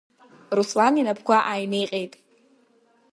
Руслан инапқәа ааиниҟьеит.